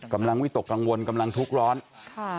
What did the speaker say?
วิตกกังวลกำลังทุกข์ร้อนค่ะ